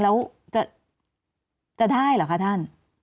แล้วจะได้เหรอคะท่าน